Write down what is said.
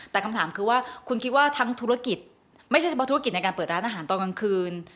แต่คำถามคือว่าคุณคิดว่าทั้งธุรกิจไม่ใช่เฉพาะธุรกิจในการเปิดร้านอาหารตอนกลางคืน